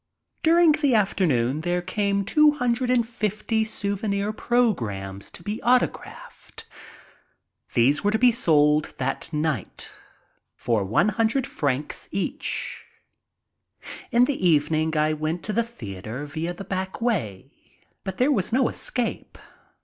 During the afternoon there came 250 souvenir programs to be autographed. These were to be sold that night for 100 francs each. In the evening I went to the theater via the back way, but there was no escape.